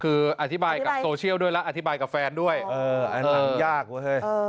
คืออธิบายกับโซเชียลด้วยแล้วอธิบายกับแฟนด้วยเอออันนั้นยากเว้ย